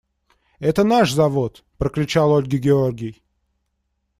– Это наш завод! – прокричал Ольге Георгий.